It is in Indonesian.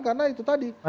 karena itu tadi